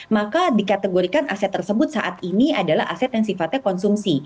maka dikategorikan aset tersebut saat ini adalah aset yang sifatnya konsumsi